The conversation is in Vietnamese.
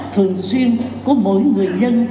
thường xuyên của mỗi người dân